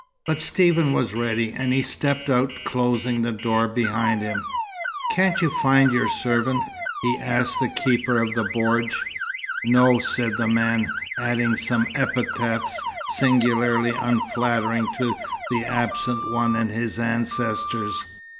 But Stephen was ready, and he stepped out, closing the door behind him. "Can't you find your servant?" he asked the keeper of the bordj. "No," said the man, adding some epithets singularly unflattering to the absent one and his ancestors.